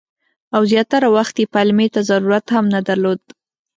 او زیاتره وخت یې پلمې ته ضرورت هم نه درلود.